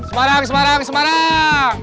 semarang semarang semarang